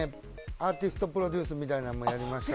アーティストプロデュースみたいなのもやりましたし。